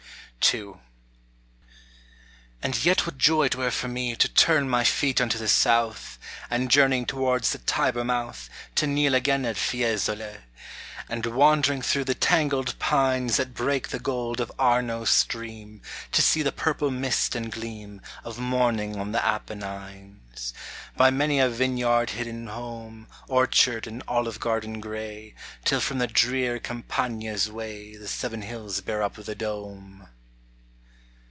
?*.. n AND yet what joy it were for me To turn my feet unto the south, And journeying towards the Tiber mouth To kneel again at Fiesole ! And wandering through the tangled pines That break the gold of Arno's stream, To see the purple mist and gleam Of morning on the Apennines. By many a vineyard hidden home, Orchard, and olive garden gray, Till frcjm the drear Campagna's way The seveiyhills bear up the dome